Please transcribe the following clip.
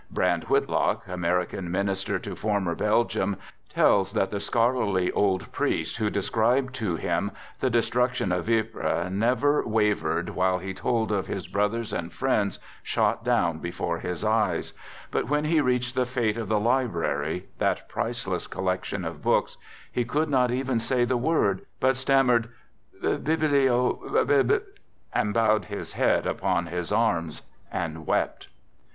Brand Whitlock, American minister to former Belgium, tells that the scholarly old priest who described to him the destruction of Ypres, never wavered while he told of his brothers and friends shot down before his eyes ; but when he reached the fate of the library, that priceless collection of books, he could not even say the word, but stammered " biblio ... bib ..." and bowed his head upon his arms and wept.